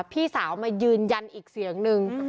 พี่สาวมายืนยันอีกเสียงนึง